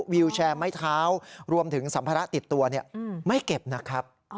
วิวแชร์ไม้เท้ารวมถึงสัมภาระติดตัวไม่เก็บนะครับ